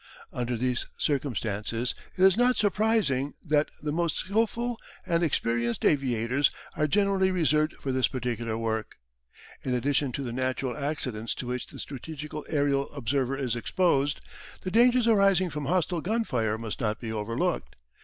Under these circumstances it is not surprising that the most skilful and experienced aviators are generally reserved for this particular work. In addition to the natural accidents to which the strategical aerial observer is exposed, the dangers arising from hostile gun fire must not be overlooked.